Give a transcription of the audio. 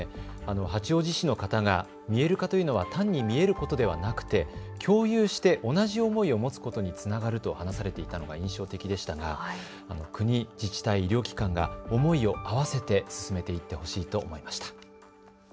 八王子市の方が見える化というのは単に見えることではなくて共有して同じ思いを持つことにつながると話されていたのが印象的でしたが国、自治体、医療機関が思いを合わせて進めていってほしいと思います。